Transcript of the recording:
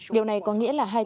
điều này có nghĩa là hai tuyến